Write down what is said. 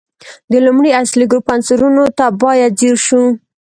د لومړي اصلي ګروپ عنصرونو ته باید ځیر شو.